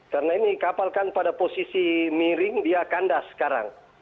karena ini kapal kan pada posisi miring dia kandas sekarang